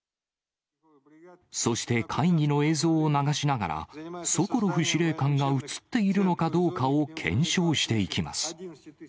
そして、会議の映像を流しながら、ソコロフ司令官が映っているのかどうかを検証していきます。